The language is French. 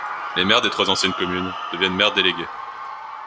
Les maires des trois anciennes communes deviennent maires délégués.